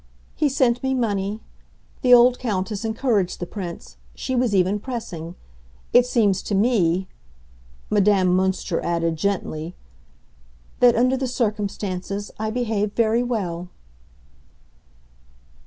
"He sent me money. The old Countess encouraged the Prince; she was even pressing. It seems to me," Madame Münster added, gently, "that—under the circumstances—I behaved very well."